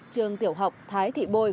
trường tiểu học thái thị bôi